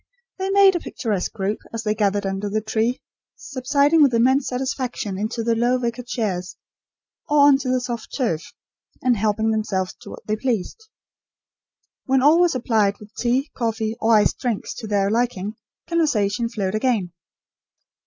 They made a picturesque group as they gathered under the tree, subsiding with immense satisfaction into the low wicker chairs, or on to the soft turf, and helping themselves to what they pleased. When all were supplied with tea, coffee, or iced drinks, to their liking, conversation flowed again.